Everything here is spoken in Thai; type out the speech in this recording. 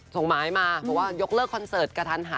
ส่งหมายมายกเลิกคอนเซิร์ตกระทันหันค่ะ